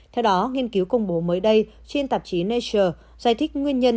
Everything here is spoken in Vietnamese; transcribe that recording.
theo đó nghiên cứu công bố mới đây trên tạp chí nature giải thích nguyên nhân